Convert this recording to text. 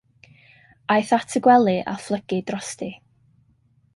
Aeth at y gwely a phlygu drosti.